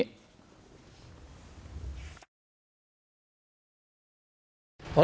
อเมฆกลับมาที่ฝ่ายบาน